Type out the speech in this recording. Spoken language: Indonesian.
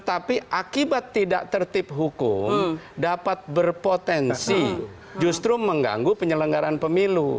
tapi akibat tidak tertib hukum dapat berpotensi justru mengganggu penyelenggaraan pemilu